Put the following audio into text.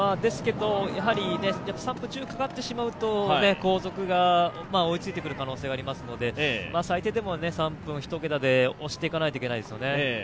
３分１０かかってしまうと後続が追いついてくる可能性がありますので、最低でも３分１桁で押していかないといけないですよね。